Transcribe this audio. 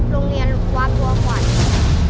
โรงเรียนวัดบัวขวันครับ